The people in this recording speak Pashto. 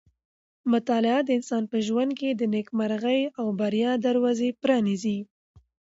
مطالعه د انسان په ژوند کې د نېکمرغۍ او بریا دروازې پرانیزي.